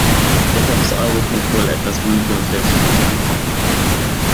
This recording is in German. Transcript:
Deshalb ist Eurocontrol etwas, womit wir uns letztlich nicht anfreunden können.